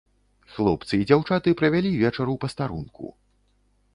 Хлопцы і дзяўчаты правялі вечар у пастарунку.